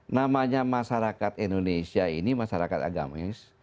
namanya masyarakat indonesia ini masyarakat agamis